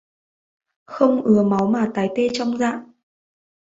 Không ứa máu mà tái tê trong dạ